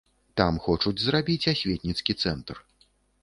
Там хочуць зрабіць асветніцкі цэнтр.